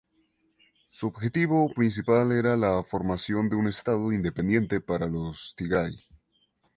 Su objetivo principal era la formación de un estado independiente para los tigray.